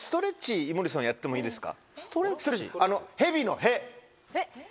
井森さんやってもいいですか蛇の「へ」。